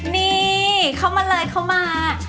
นี่เขามาเลยเข้ามา